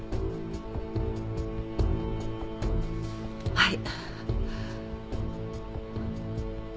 はい。